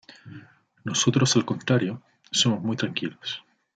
Nosotros, al contrario, somos muy tranquilos.